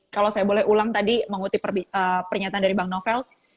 kalau saya boleh ulang tadi mengutip pernyataan dari bang novel